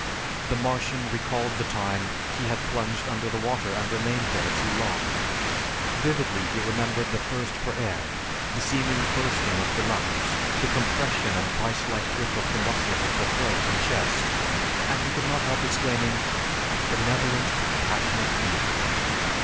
The Martian recalled the time he had plunged under the water and remained there too long; vividly, he remembered the thirst for air, the seeming bursting of the lungs, the compression and vise like grip of the muscles of the throat and chest, and he could not help exclaiming, "Benevolent, Compassionate Being!"